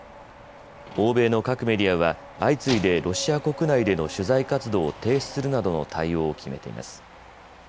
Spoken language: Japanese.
欧米の各メディアは相次いでロシア国内での取材活動を停止するなどの対応を決めています。